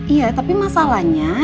iya tapi masalahnya